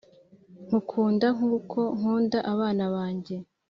Nkukunda nkuko nkunda abana banjye